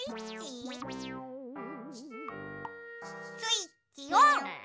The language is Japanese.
スイッチオン！